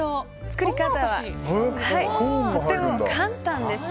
作り方はとても簡単です。